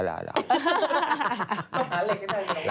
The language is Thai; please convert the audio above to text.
หาเหล็กก็ได้อย่างนั้น